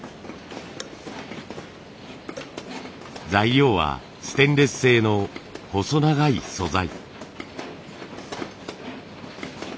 材料はステンレス製の細長い素材。